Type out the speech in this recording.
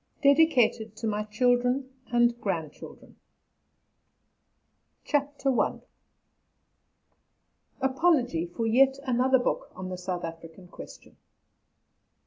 1900. DEDICATED TO MY CHILDREN AND GRANDCHILDREN. I. APOLOGY FOR "YET ANOTHER BOOK" ON THE SOUTH AFRICAN QUESTION.